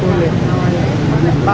tidak tidak boleh